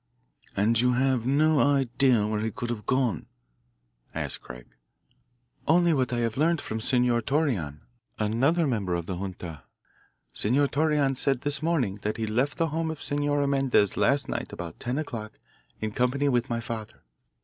"And you have no idea where he could have gone?" asked Craig. "Only what I have learned from Senor Torreon, another member of the junta. Senor Torreon said this morning that he left the home of Senora Mendez last night about ten o'clock in company with my father.